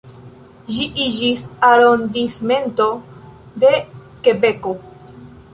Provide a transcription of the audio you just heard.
Ĝi iĝis arondismento de Kebeko.